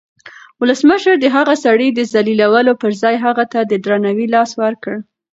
ولسمشر د هغه سړي د ذلیلولو پر ځای هغه ته د درناوي لاس ورکړ.